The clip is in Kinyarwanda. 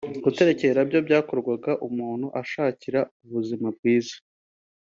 Guterekera byo byakorwaga umuntu ashakira ubuzima bwiza